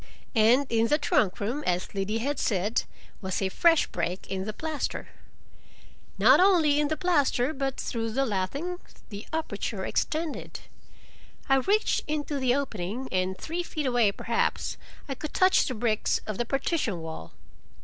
And in the trunk room, as Liddy had said, was a fresh break in the plaster. Not only in the plaster, but through the lathing, the aperture extended. I reached into the opening, and three feet away, perhaps, I could touch the bricks of the partition wall.